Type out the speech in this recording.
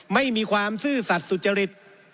ไม่มีความซื่อสัตว์สุจริต